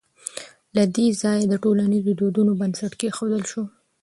او له دې ځايه د ټولنيزو دودونو بنسټ کېښودل شو